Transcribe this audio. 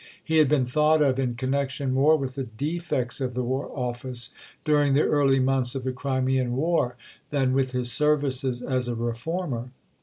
He had been thought of in connection more with the defects of the War Office during the early months of the Crimean War, than with his services as a reformer.